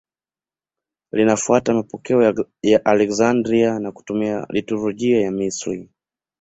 Linafuata mapokeo ya Aleksandria na kutumia liturujia ya Misri.